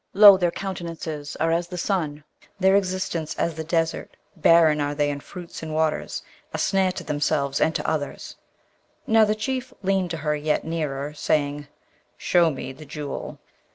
Lo, their countenances are as the sun, their existence as the desert; barren are they in fruits and waters, a snare to themselves and to others!' Now, the Chief leaned to her yet nearer, saying, 'Show me the Jewel.'